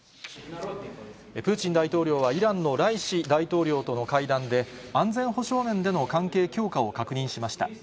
プーチン大統領は、イランのライシ大統領との会談で、安全保障面での関係強化を確認しました。